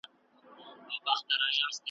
تر څو پوري چي د منظور پښتین ,